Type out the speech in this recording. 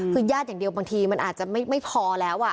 คือญาติอย่างเดียวบางทีมันอาจจะไม่พอแล้ว